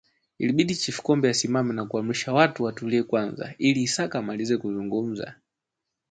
Ilibidi chifu Kombe asimame na kuamrisha watu watulie kwanza ili Isaka amalize kuzungumza